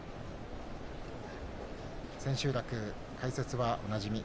千秋楽、解説はおなじみ